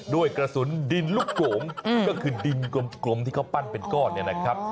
ด้วยกระสุนดินลูกโกงก็คือดินกลมที่เขาปั้นเป็นก้อน